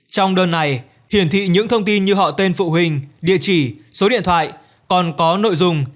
trong đơn này hiển thị những thông tin như họ tên phụ huynh địa chỉ số điện thoại còn có nội dung